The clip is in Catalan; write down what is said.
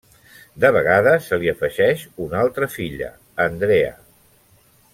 De vegades se li afegeix una altra filla, Andrea.